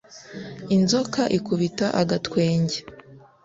Inzoka ikubita agatwenge